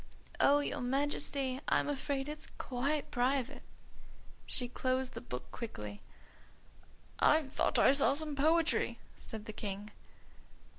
"Oh, your Majesty! I'm afraid it's quite private." She closed the book quickly. "I just thought I saw some poetry," said the King.